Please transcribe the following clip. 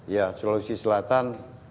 ya sulawesi selatan